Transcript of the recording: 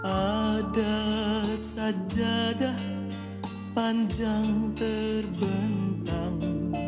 ada sajadah panjang terbentang